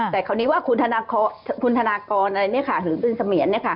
แต่เขานิว่าคุณธนากรหรือปืนเสมียร